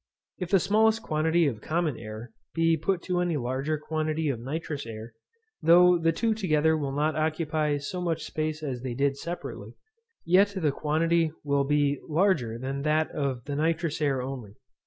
If the smallest quantity of common air be put to any larger quantity of nitrous air, though the two together will not occupy so much space as they did separately, yet the quantity will still be larger than that of the nitrous air only.